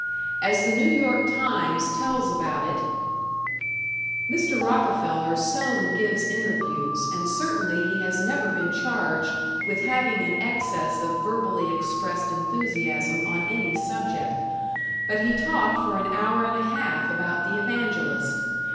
As the New York "Times" tells about it: Mr. Rockefeller seldom gives interviews and certainly he has never been charged with having an excess of verbally expressed enthusiasm on any subject. But he talked for an hour and a half about the evangelist.